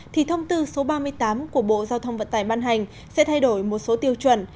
thì thông tư số ba mươi tám của bộ giao thông vận tải ban hành sẽ thay đổi một số tiêu chuẩn